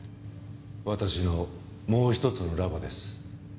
私のもうひとつのラボです。